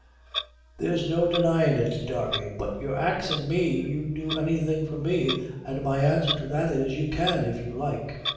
"There's no one denyin' it, Darby; but you're axin' me can you do any thing for me, an' my answer to that is, you can, if you like."